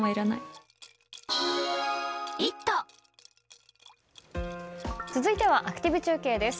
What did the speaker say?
わかるぞ続いてはアクティブ中継です。